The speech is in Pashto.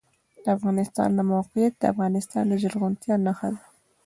د افغانستان د موقعیت د افغانستان د زرغونتیا نښه ده.